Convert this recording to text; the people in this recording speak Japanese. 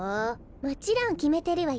もちろんきめてるわよ